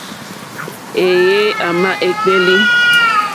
Êyé émá ékpélí.